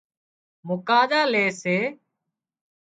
مُڪاڌا لي سي